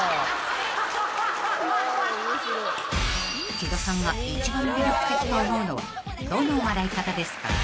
［木戸さんが一番魅力的と思うのはどの笑い方ですか？］